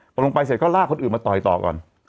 พอลงไปเสร็จก็ลากคนอื่นมาต่อยต่อก่อน